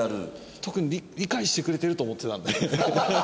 特に理解してくれてると思ってたので。